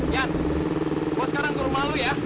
yan gua sekarang ke rumah lu ya